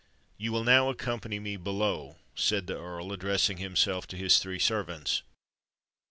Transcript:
"You will now accompany me below," said the Earl, addressing himself to his three servants.